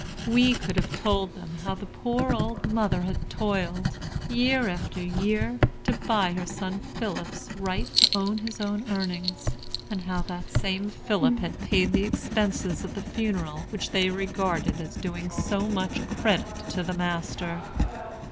We could have told them how the poor old mother had toiled, year after year, to buy her son Philip's right to his own earnings; and how that same Philip had paid the expenses of the funeral which they regarded as doing so much credit to the master.